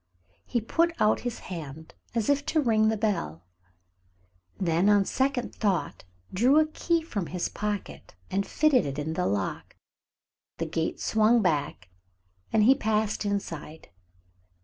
He put out his hand as if to ring the bell, then on second thought drew a key from his pocket and fitted it in the lock. The gate swung back and he passed inside.